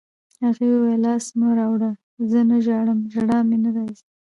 هغې وویل: لاس مه راوړه، زه نه ژاړم، ژړا مې نه راځي.